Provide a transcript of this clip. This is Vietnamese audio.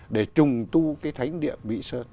để trùng tu cái thánh địa mỹ sơn